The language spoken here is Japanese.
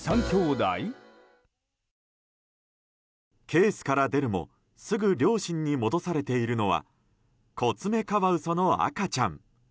ケースから出るもすぐ両親に戻されているのはコツメカワウソの赤ちゃん。